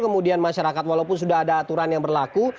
kemudian masyarakat walaupun sudah ada aturan yang berlaku